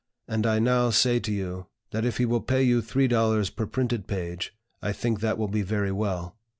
And I now say to you, that if he will pay you three dollars per printed page, I think that will be very well.